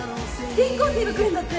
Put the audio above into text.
転校生が来るんだって！